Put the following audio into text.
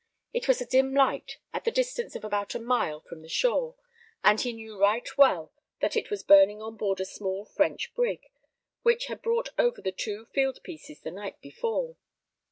It was a dim light, at the distance of about a mile from the shore, and he knew right well that it was burning on board a small French brig, which had brought over the two field pieces the night before.